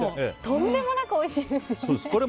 とんでもなくおいしいですよね。